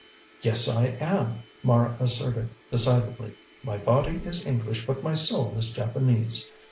"Yes, I am," Mara asserted decidedly; "my body is English, but my soul is Japanese.